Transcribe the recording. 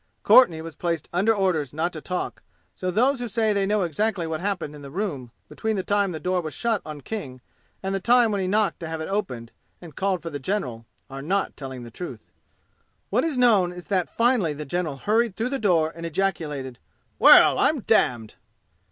Courtenay was placed under orders not to talk, so those who say they know exactly what happened in the room between the time when the door was shut on King and the time when he knocked to have it opened and called for the general, are not telling the truth. What is known is that finally the general hurried through the door and ejaculated, "Well, I'm damned!"